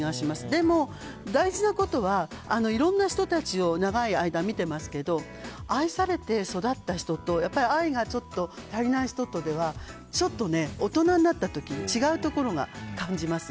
でも、大事なことはいろんな人たちを長い間見てますけど愛されて育った人と愛がちょっと足りない人とではちょっとね、大人になった時に違うところが感じます。